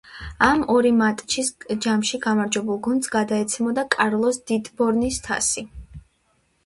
ამ ორი მატჩის ჯამში გამარჯვებულ გუნდს გადაეცემოდა კარლოს დიტბორნის თასი.